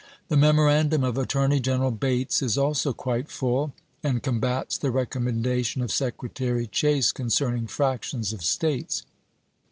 The memorandum of Attorney General Bates is also quite full, and combats the recommendation of Secretary Chase concerning fractions of States.